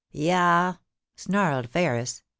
Yah !' snarled Ferris.